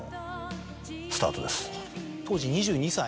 当時２２歳。